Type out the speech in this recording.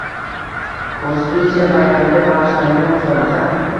Konstitutsiya bayramiga bag‘ishlangan musobaqa